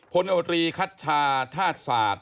โอตรีคัชชาธาตุศาสตร์